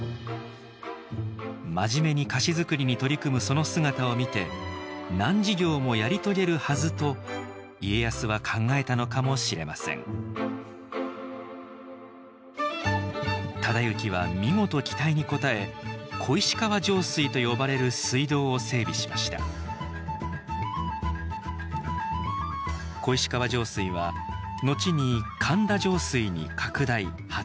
真面目に菓子づくりに取り組むその姿を見て難事業もやり遂げるはずと家康は考えたのかもしれません忠行は見事期待に応え「小石川上水」と呼ばれる水道を整備しました小石川上水は後に「神田上水」に拡大・発展したと考えられています。